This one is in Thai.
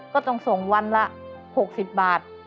ก็ต้องส่งวันละ๖๐บาท